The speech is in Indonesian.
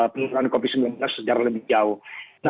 penurunan covid sembilan belas secara lebih jauh